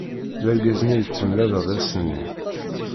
D argaz-nni i d-temlaleḍ ass-nni.